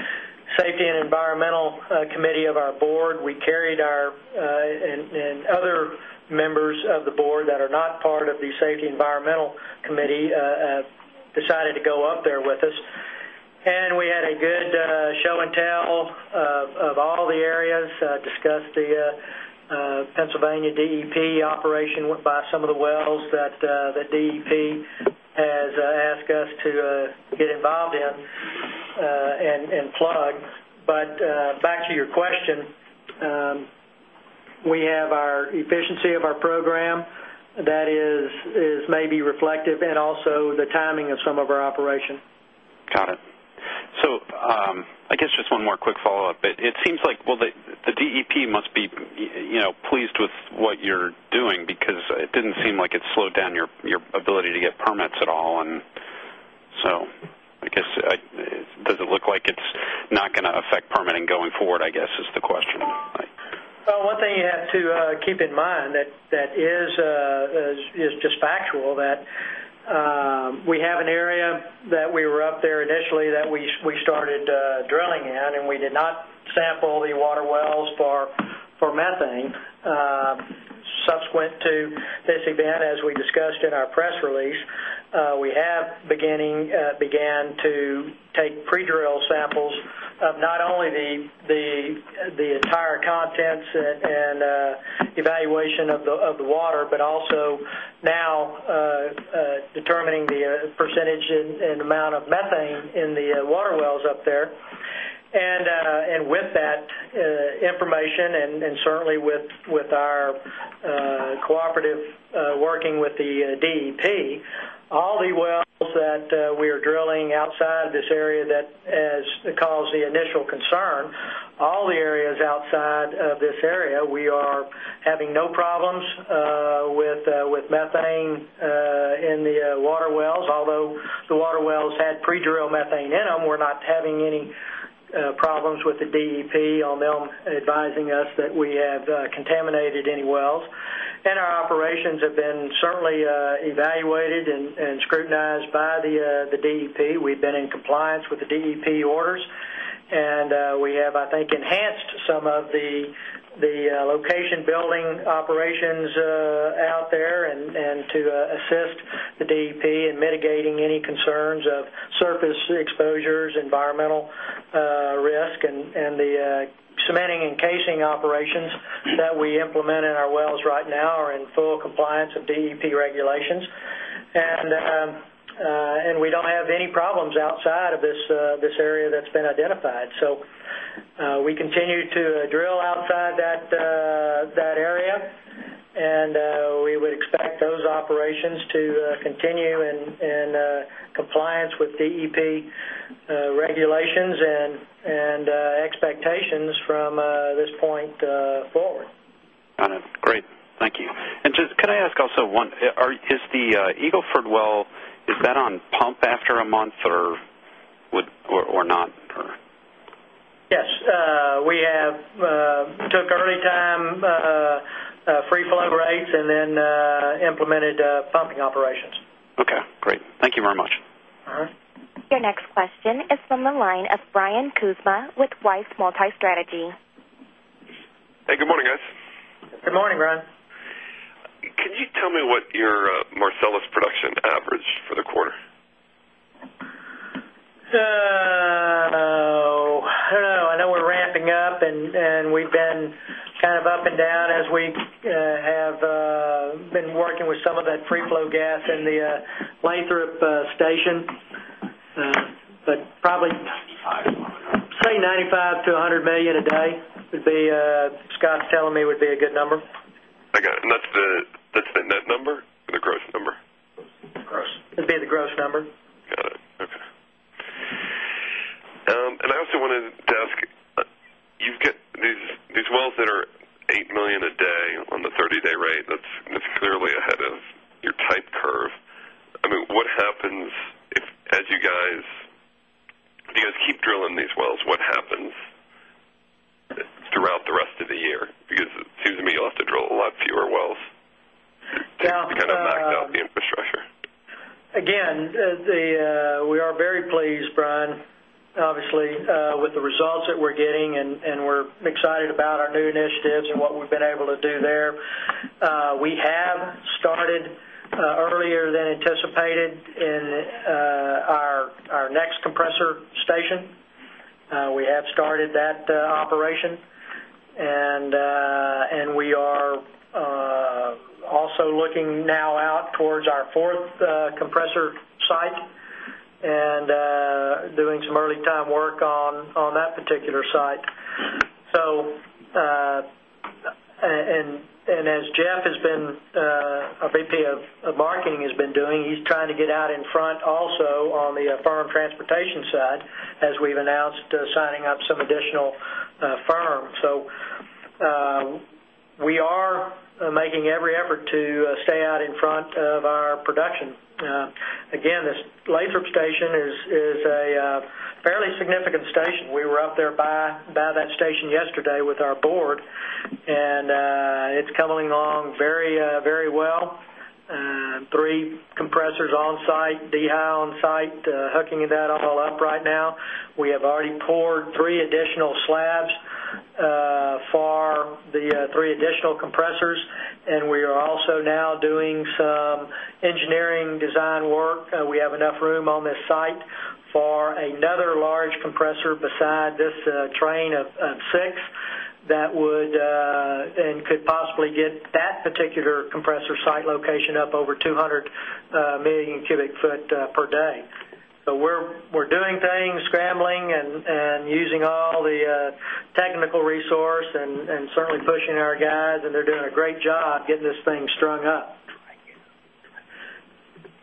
B: Safety and Environmental Committee of our Board. We carried our and other members of the Board that are not part of the Safety and Environmental Committee decided to go up there with us. And we had a good show and tell of all the areas discussed the Pennsylvania DEP operation by some of the wells that DEP has asked us to get involved in and plug. But back to your question, we have our efficiency of our program that is maybe reflective and also the timing of some of our operation.
J: Got it. So I guess just one more quick follow-up. It seems like well, the DEP must be pleased with what you're doing because it didn't seem like it slowed down your ability to get permits at all. And so I guess does it look like it's not going to affect permitting going forward, I guess is the question.
B: Well, one thing you have to keep in mind that is just factual that we have an area that we were up there initially that we started drilling in and we did not sample the water wells for methane. Subsequent to this event as we discussed in our press release, we have beginning began to take pre drill samples of not only the entire contents and evaluation of the water, but also now determining the percentage and amount of methane in the water wells up there. And with that information and certainly with our cooperative working with the DEP, all the wells that we are drilling outside this area that has caused the initial concern, All the areas outside of this area we are having no problems with methane in the water wells. Although the water wells had pre drilled methane in them, we're not having any problems with the DEP on them advising us that we have contaminated any wells. And our operations have been certainly evaluated and scrutinized by the DEP. We've been in compliance with the DEP orders. And we have I think enhanced some of the location building operations out there and to assist the DEP in mitigating any concerns of surface exposures, environmental risk and the cementing and casing operations that we implement in our wells right now are in full compliance of DEP regulations. And we don't have any problems outside of this area that's been identified. So we continue to drill outside that area and we would expect those operations to continue in compliance with DEP regulations and expectations from this point forward.
F: Got it. Great.
J: Thank you. And just can I ask also one is the Eagle Ford well, is that on pump after a month or not Yes?
B: We have took early time free flow grades and then implemented pumping operations.
E: Okay, great.
J: Thank you very much.
A: Your next question is from the line of Brian Kuzma with Wise Multi Strategy.
E: Hey, good morning guys. Good morning, Brian.
N: Can you tell me what your Marcellus production average for the quarter?
B: I don't know. I know we're ramping up and we've been kind of up and down as we have been working with some of that free flow gas in the Laintrop station. But probably say $95,000,000 to $100,000,000 a day would be Scott's telling me would be a good number.
N: Okay. And that's the net number or the gross number?
D: Gross.
B: It'd be the gross number.
N: Got it. Okay. And I also wanted to ask, you've got these wells that are $8,000,000 a day on the 30 day rate, that's clearly ahead of your type curve. I mean, what happens if as you guys keep drilling these wells, what happens throughout the rest of the year? Because it seems to me you'll have to drill a lot fewer wells to kind of back out the infrastructure.
B: Again, we are very pleased, Brian, obviously with the results that we're getting and we're excited about our new initiatives and what we've been able to do there. We have started earlier than anticipated in our next compressor station. We have started that operation. And we are also looking now out towards our 4th compressor site and doing some early time work on that particular site. So and as Jeff has been our VP of Marketing has been doing, he's trying to get out in front also on the firm transportation side as we've announced signing up some additional firm. So we are making every effort to stay out in front of our production. Again this Lathrop station is a fairly significant station. We were up there by that station yesterday with our Board and it's coming along very, very well. 3 compressors on-site, DeHa on-site hooking that all up right now. We have already poured 3 additional slabs for the 3 additional compressors and we are also now doing some engineering design work. We have enough room on this site for another large compressor beside this train of 6 that would and could possibly get that particular compressor site location up over 200,000,000 cubic foot per day. So we're doing things, scrambling and using all the technical resource and certainly pushing our guys and they're doing a great job getting this thing strung up.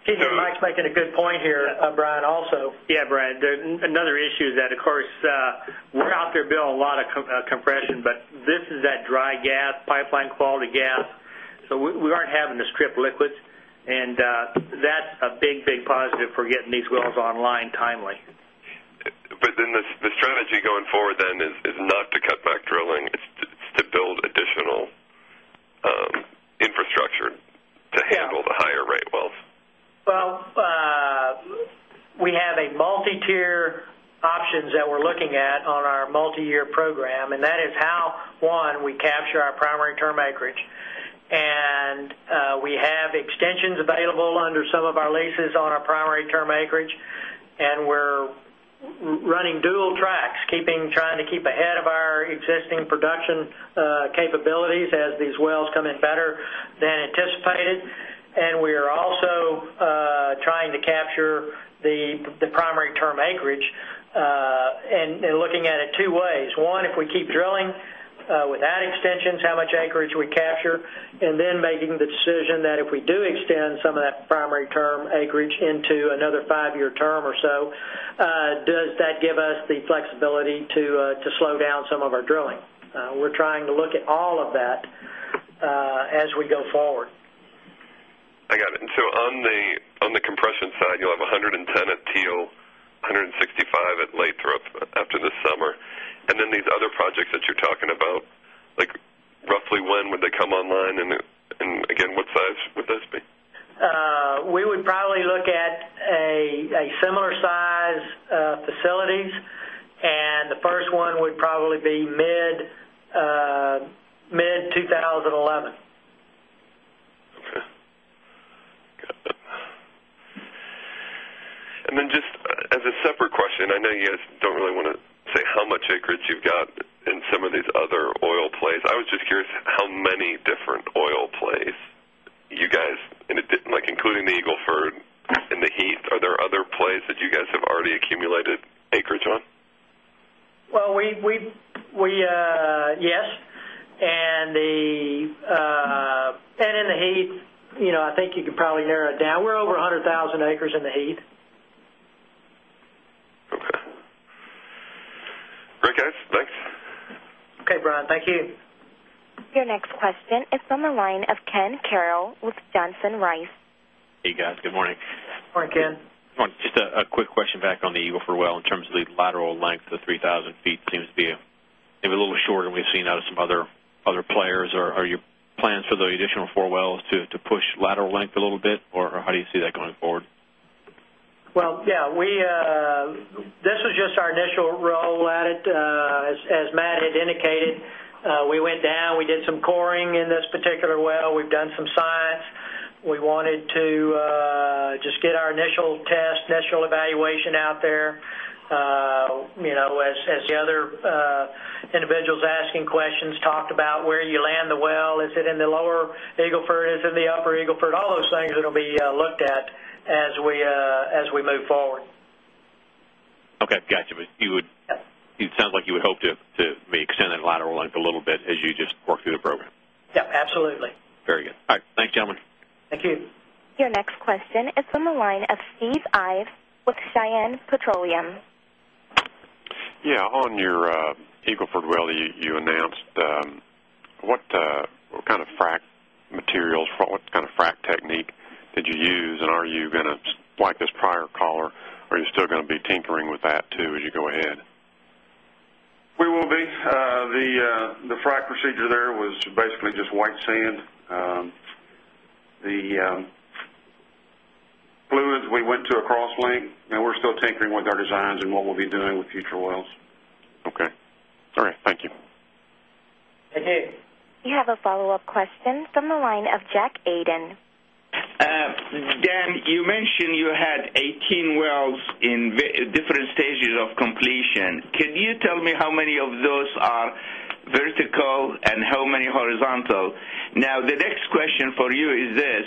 D: Mike is making a good point here, Brian also. Yes, Brian. Another issue is that of course we're out there building a lot of compression, but this is that dry gas, pipeline quality gas. So we aren't having to strip liquids and that's a big, big positive for getting these wells online timely.
N: But then the strategy going forward then is not to cut back drilling, it's to build additional infrastructure to handle the higher rate wells?
B: Well, we have a multi tier options that we're looking at on our multi year program and that is how one we capture our primary term acreage. And we have extensions available under some of our leases on our primary term acreage and we're running dual tracks keeping trying to keep ahead of our existing production capabilities as these wells come in better than anticipated. And we are also trying to capture the primary term acreage and looking at it 2 ways. 1, if we keep drilling without extensions how much acreage we capture and then making the decision that if we do extend some of that primary term acreage into another 5 year term or so, does that give us the flexibility to slow down some of our drilling. We're trying to look at all of that as we go forward.
N: I got it. And so on the compression side, you'll have 110 at Teal, 165 at Lathrop after the summer. And then these other projects that you're talking about like roughly when would they come online? And again what size would those be?
B: We would probably look at a similar size facilities. And the first one would probably be mid-twenty 11.
J: Okay.
N: And then just as a separate question, I know you guys don't really want to say how much acreage you've got in some of these other oil plays. I was just curious how many different oil plays you guys like including the Eagle Ford and the Heath, are there other plays that you guys have already accumulated acreage on?
B: Well, we yes. And in the heat, I think you could probably narrow it down. We're over 100,000 acres in the heat.
E: Okay.
N: Great guys. Thanks.
J: Okay, Brian. Thank you.
A: Your next question is from the line of Ken Carroll with Johnson Rice.
J: Hey, guys. Good morning.
B: Good morning, Ken.
F: Good morning. Just a quick question back
J: on the Eagle Ford well in terms of the lateral length of 3,000 feet seems to be maybe a little shorter than we've seen out of some other players. Are your plans for the additional 4 wells to push lateral length
F: a little bit? Or how do
J: you see that going forward?
B: Well, yes, we this was just our initial roll at it. As Matt had indicated, we went down. We did some coring in this particular well. We've done some science. We wanted to just get our initial test, initial evaluation out there as the other individuals asking questions talked about where you land the well, is it in the lower Eagle Ford, is it in the upper Eagle Ford all those things that will be looked at as we move forward.
J: Okay. Got you. But you would it sounds like you would hope to extend that lateral length a little bit as
E: you just work through the program?
B: Yes, absolutely.
G: Very good.
J: All right. Thanks, gentlemen.
A: Thank you. Your next question is from the line of Steve Ives with Cheyenne Petroleum.
E: Yes. On your Eagle Ford well, you announced what kind of frac materials for what kind of frac technique did you use? And are you going to like this prior collar, are you still going to be tinkering with that too as you go ahead? We will be. The frac procedure there was basically just white sand. The fluids we went to a cross link and we're still tinkering with our designs and what we'll be doing with future oils. Okay. All right. Thank you.
A: We have a follow-up question from the line of Jack Aden.
H: Dan, you mentioned you had 18 wells in different stages of completion. Could you tell me how many of those are vertical and how many horizontal? Now the next question for you is this,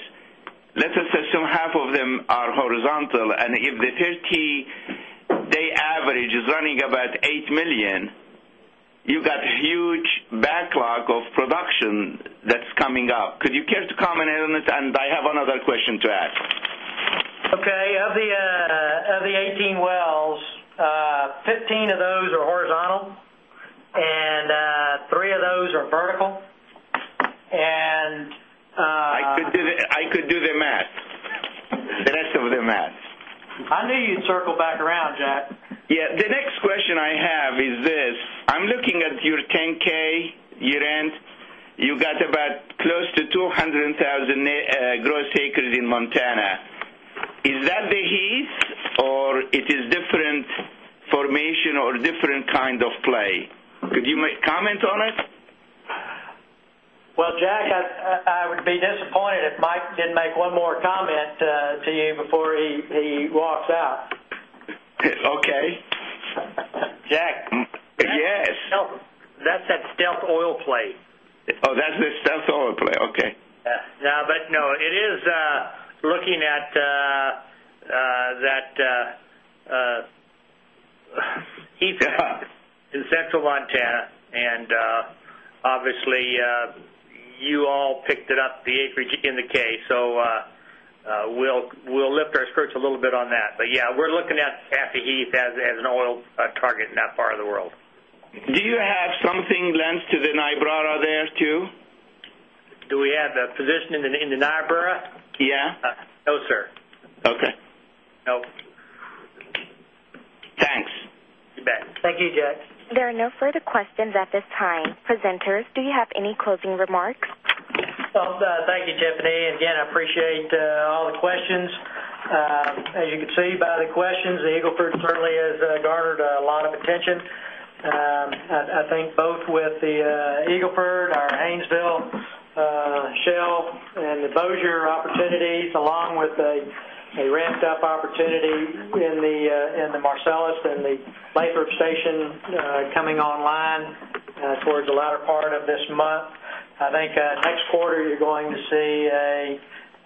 H: let's assume half of them are horizontal and if the 30 day average is running about 8,000,000 dollars you've got huge backlog of production that's coming up. Could you care to comment on it? And I have another question to ask.
B: Okay. Of the 18 wells, 15 of those are horizontal and 3 of those are vertical
H: and I could do the math, the rest of the math.
B: I knew you'd circle back
L: around, Jack. Yes. The next question I
H: have is this. I'm looking at your 10 ks year end. You got about close to 200,000 gross acres in Montana. Is that the Heath or it is different formation or different kind of play? Could you comment on it?
B: Well, Jack, I would be disappointed if Mike didn't make one more comment to you before he walks out.
D: Okay. Jack? Yes. That's that stealth oil play. That's the stealth oil play. Okay. Yes. But no, it is looking at that Heath is Central Montana and obviously you all picked it up the acreage in the K. So we'll lift our skirts little bit on that. But yes, we're looking at Caffee Heath as an oil target in that part of the world.
H: Do you have something lends to the Niobrara there too?
D: Do we have that position in the Niobrara? Yes. No, sir. Okay.
J: Thanks. You bet. Thank you, Jack.
A: There are no further questions at this time. Presenters, do you have any closing remarks?
B: Well, thank you, Tiffany. Again, I appreciate all the questions. As you can see by the questions, the Eagle Ford certainly has garnered a lot of attention. I think both with the Eagle Ford, our Haynesville, Shell and the Bossier opportunities along with a ramped up opportunity in the Marcellus and the labor station coming online towards the latter part of this month. I think next quarter you're going to see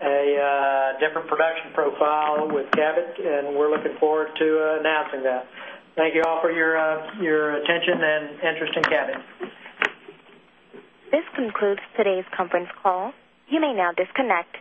B: a different production profile with Cabot and we're looking forward to announcing that. Thank you all for your attention and interest in Cabot.
A: This concludes today's conference call. You may now disconnect.